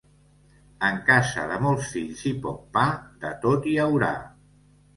En casa de molts fills i poc pa, de tot hi haurà.